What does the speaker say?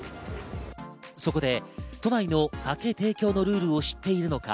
そこで、都内の酒提供のルールを知っているのか。